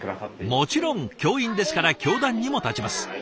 もちろん教員ですから教壇にも立ちます。